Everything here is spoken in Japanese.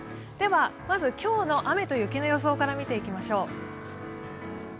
では、まず今日の雨と雪の予想から見ていきましょう。